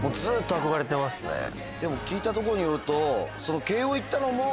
でも聞いたところによると。